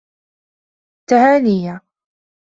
تهانيّ!